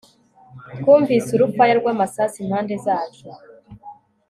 twumvise urufaya rw amasasu impande zacu